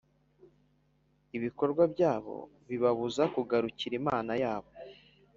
Ibikorwa byabo bibabuza kugarukira Imana yabo,